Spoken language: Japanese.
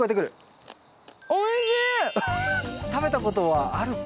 食べたことはあるかな？